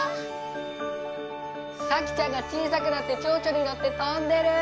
さきちゃんが小さくなってちょうちょに乗って飛んでる！